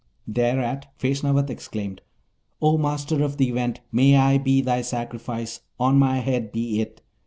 Thereat Feshnavat exclaimed, 'O Master of the Event, may I be thy sacrifice! on my head be it!